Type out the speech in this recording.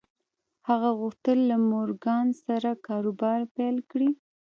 هغه غوښتل له مورګان سره کاروبار پیل کړي